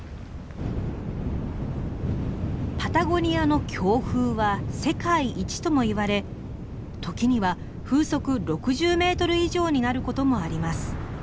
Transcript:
パタゴニアの強風は世界一ともいわれ時には風速６０メートル以上になることもあります。